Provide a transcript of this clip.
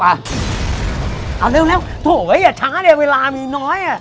เอาเร็วโถเฮ้ยอย่าช้าเนี่ยเวลามีน้อยอ่ะ